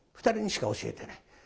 ２人にしか教えてない。